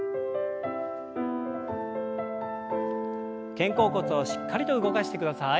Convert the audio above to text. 肩甲骨をしっかりと動かしてください。